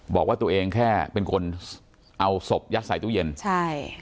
บอกว่าตัวเองแค่เป็นคนเอาศพยัดใส่ตู้เย็นใช่